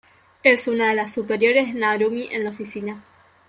Es una de las superiores de Narumi en la oficina.